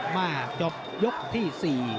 มาจบยกที่๔